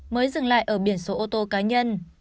mới dừng lại ở biển số ô tô cá nhân